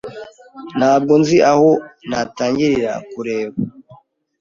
Ntabwo nzi aho natangirira kureba.